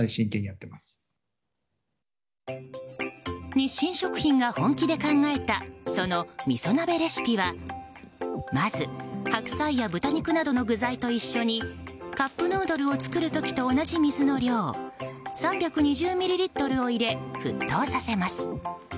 日清食品が本気で考えたそのみそ鍋レシピはまず白菜や豚肉などの具材と一緒にカップヌードルを作る時と同じ水の量３２０ミリリットルを入れ沸騰させます。